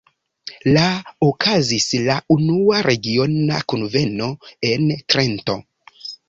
La okazis la unua regiona kunveno en Trento.